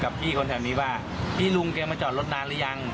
พี่คนแถวนี้ว่าพี่ลุงแกมาจอดรถนานหรือยัง